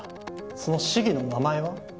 その市議の名前は？